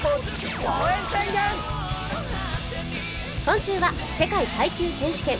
今週は世界耐久選手権。